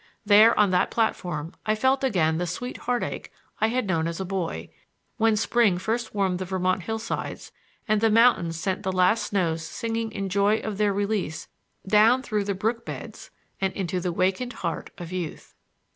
There, on that platform, I felt again the sweet heartache I had known as a boy, when spring first warmed the Vermont hillsides and the mountains sent the last snows singing in joy of their release down through the brook beds and into the wakened heart of youth.